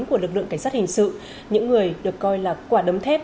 của lực lượng cảnh sát hình sự những người được coi là quả đống thép